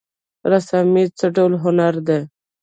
رسامي څه ډول هنر دی؟